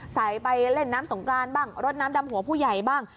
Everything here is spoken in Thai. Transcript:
ใส่ไปเล่นน้ำสงกรานบ้างรดน้ำดำหัวผู้ใหญ่บ้าง